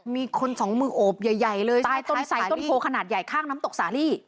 มีคนสองมือโอบใหญ่เลยตายต้นไสต้นโพขนาดใหญ่ข้างน้ำตกสาลี